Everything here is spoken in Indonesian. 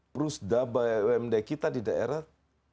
perusdara wmd kita di daerah